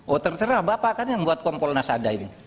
oh terserah bapak kan yang buat kompolnas ada ini